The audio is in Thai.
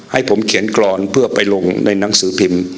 ให้ผมเขียนกรอนเพื่อไปลงในหนังสือพิมพ์